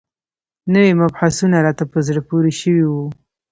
نوي مبحثونه راته په زړه پورې شوي وو.